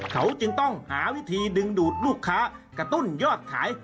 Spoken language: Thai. เขาจึงต้องหาวิธีดึงดูดลูกค้ากระตุ้นยอดขาย